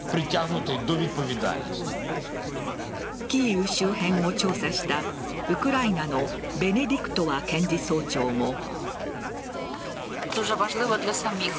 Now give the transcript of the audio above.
キーウ周辺を調査したウクライナのベネディクトワ検事総長も。